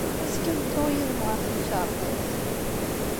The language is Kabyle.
Azekka, ad dduɣ yid-m ɣer temkarḍit.